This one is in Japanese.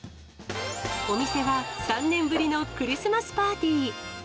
お店は３年ぶりのクリスマスパーティー。